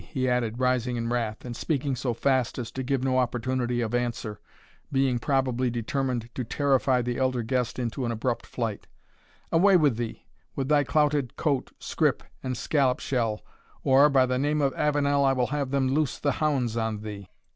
he added, rising in wrath, and speaking so fast as to give no opportunity of answer, being probably determined to terrify the elder guest into an abrupt flight "Away with thee, with thy clouted coat, scrip, and scallop shell, or, by the name of Avenel, I will have them loose the hounds on thee."